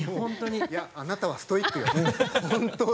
あなたはストイックよ！